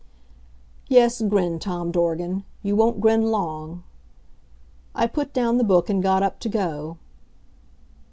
Yes, grin, Torn Dorgan. You won't grin long. I put down the book and got up to go.